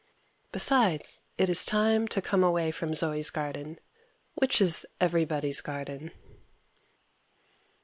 Besides it is time to come away from Zoe's garden, which is everybody's garden.